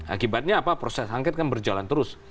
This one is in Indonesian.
akibatnya apa proses angket kan berjalan terus